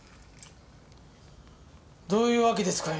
どういうわけですかいのぅ？